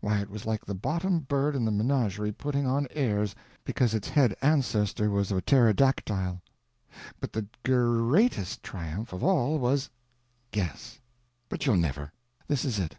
Why it was like the bottom bird in the menagerie putting on airs because its head ancestor was a pterodactyl. But the ger reatest triumph of all was—guess. But you'll never. This is it.